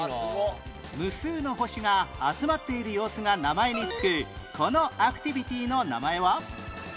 無数の星が集まっている様子が名前に付くこのアクティビティの名前は？